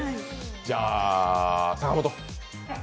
じゃあ、阪本。